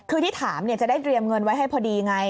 คือที่ถามจะได้เตรียมเงินไว้ให้พอดีไง